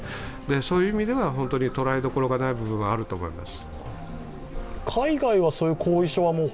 そういう意味では捉えどころがない部分もあると思います。